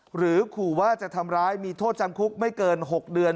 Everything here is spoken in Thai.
หรือขู่ว่าจะทำร้ายมีโทษจำคุกไม่เกิน๖เดือน